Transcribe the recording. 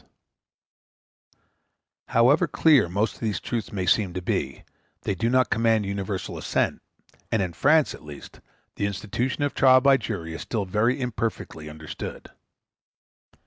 ] However clear most of these truths may seem to be, they do not command universal assent, and in France, at least, the institution of trial by jury is still very imperfectly understood.